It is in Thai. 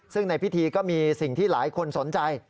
ซึ่งในพิธีก็มีสิ่งที่หลายคนสนใจ